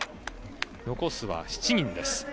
残すは７人です。